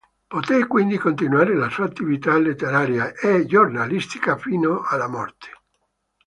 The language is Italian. Poté quindi continuare la sua attività letteraria e giornalistica fino alla morte.